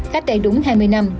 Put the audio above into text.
cách đây đúng hai mươi năm